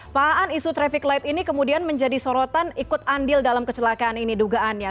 pak aan isu traffic light ini kemudian menjadi sorotan ikut andil dalam kecelakaan ini dugaannya